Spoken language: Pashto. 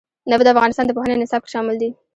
نفت د افغانستان د پوهنې نصاب کې شامل دي.